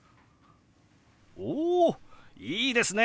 おいいですね！